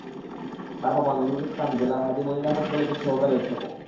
তাঁদের বাবা নূরুল ইসলাম জেলার হাজী মনির আহমদ কলেজের সহকারী অধ্যাপক।